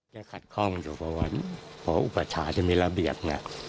แค่ขัดข้องเฉพาะวันเพราะอุปชาจะไม่ระเบียบนะ